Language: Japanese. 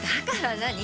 だから何？